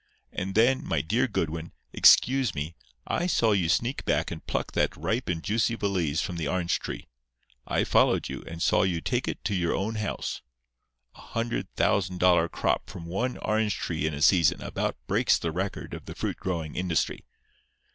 And then, my dear Goodwin—excuse me—I saw you sneak back and pluck that ripe and juicy valise from the orange tree. I followed you, and saw you take it to your own house. A hundred thousand dollar crop from one orange tree in a season about breaks the record of the fruit growing industry.